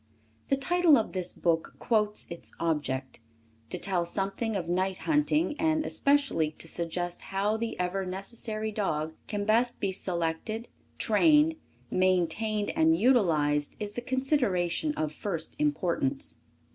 The title of this book quotes its object. To tell something of night hunting, and especially to suggest how the ever necessary dog can best be selected, trained, maintained and utilized, is the consideration of first importance.